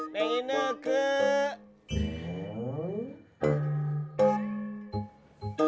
neng ine kek